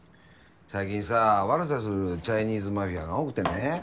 最近さ悪さするチャイニーズマフィアが多くてね。